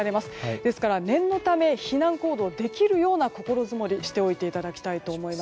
ですから、念のため避難行動をできるような心づもりをしておいてください。